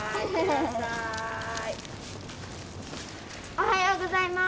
おはようございます。